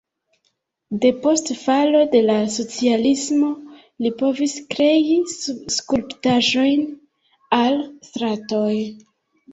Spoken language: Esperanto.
Depost falo de la socialismo li povis krei skulptaĵojn al stratoj.